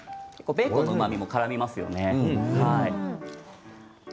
ベーコンのうまみもからみますよね。